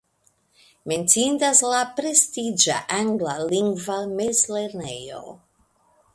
Menciindas la prestiĝa anglalingva mezlernejo.